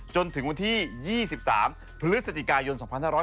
จนถึงวันที่๒๓พฤศจิกายน๒๕๖๐